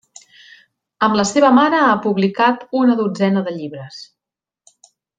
Amb la seva mare ha publicat una dotzena de llibres.